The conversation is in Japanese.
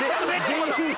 全員。